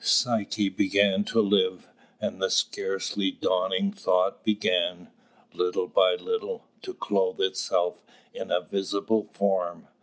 Psyche began to live: and the scarcely dawning thought began, little by little, to clothe itself in a visible form.